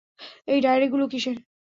এই ডায়েরিগুলো কিসের?